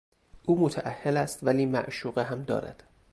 او متاهل است ولی معشوقه هم دارد.